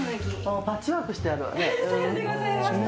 パッチワークしてあるわね。